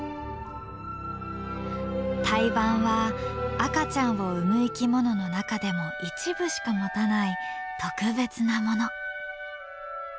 胎盤は赤ちゃんを産む生き物の中でも一部しか持たない特別なもの。